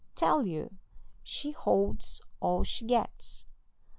"Tell you, she holds all she gets.